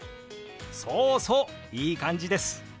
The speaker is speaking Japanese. そうそういい感じです！